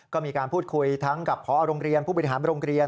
ก็มีการพูดคุยทั้งกับพอโรงเรียนผู้บริหารโรงเรียน